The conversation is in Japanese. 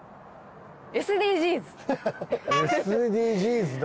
ＳＤＧｓだ。